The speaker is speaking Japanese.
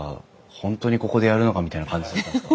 本当にここでやるのかみたいな感じだったんですか？